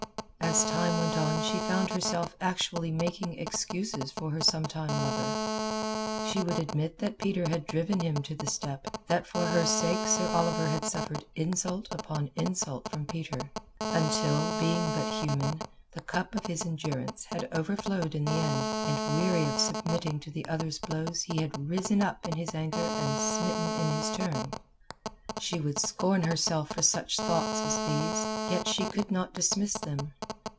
As time went on she found herself actually making excuses for her sometime lover; she would admit that Peter had driven him to the step, that for her sake Sir Oliver had suffered insult upon insult from Peter, until, being but human, the cup of his endurance had overflowed in the end, and weary of submitting to the other's blows he had risen up in his anger and smitten in his turn. She would scorn herself for such thoughts as these, yet she could not dismiss them.